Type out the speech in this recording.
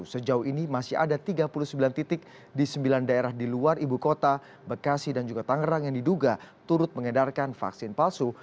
sejauh ini masih ada tiga puluh sembilan titik di sembilan daerah di luar ibu kota bekasi dan juga tangerang yang diduga turut mengedarkan vaksin palsu